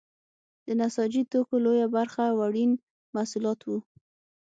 د نساجي توکو لویه برخه وړین محصولات وو.